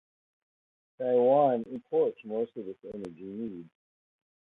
Taiwan imports most of its energy needs.